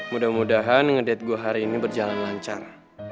mudah mudahan ngedete gue hari ini berjalan lancar